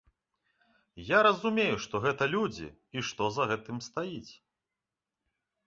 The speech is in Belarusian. Я разумею, што гэта людзі і што за гэтым стаіць.